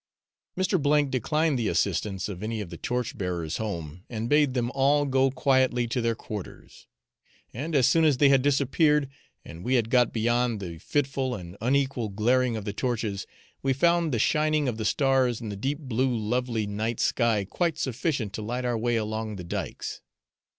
Mr. declined the assistance of any of the torch bearers home, and bade them all go quietly to their quarters; and as soon as they had dispersed, and we had got beyond the fitful and unequal glaring of the torches, we found the shining of the stars in the deep blue lovely night sky quite sufficient to light our way along the dykes.